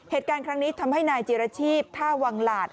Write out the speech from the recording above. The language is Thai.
เหตุการณ์ครั้งนี้ทำให้นายจิรชีพท่าวังหลาด